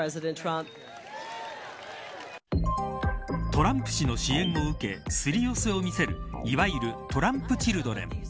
トランプ氏の支援を受けすり寄せを見せるいわゆるトランプチルドレン。